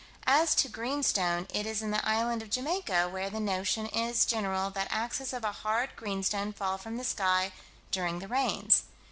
As to greenstone, it is in the island of Jamaica, where the notion is general that axes of a hard greenstone fall from the sky "during the rains."